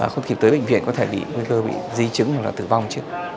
không kịp tới bệnh viện có thể bị nguy cơ bị di chứng hoặc là tử vong chứ